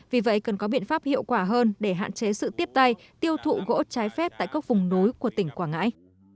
vì vậy cần có biện pháp hiệu quả hơn để hạn chế sự tiếp tay tiêu thụ gỗ trái phép tại các vùng núi của tỉnh quảng ngãi